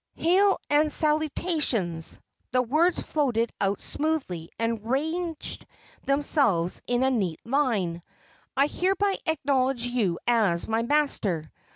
"Hail and salutations!" The words floated out smoothly and ranged themselves in a neat line. "I hereby acknowledge you as my master!